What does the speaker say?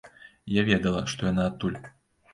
Я ведала, што яна адтуль.